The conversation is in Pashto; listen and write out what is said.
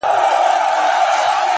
تـلاوت دي د ښايستو شعرو كومه ـ